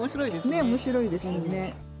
ねっ面白いですよね。